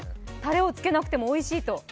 たれをつけなくてもおいしいと。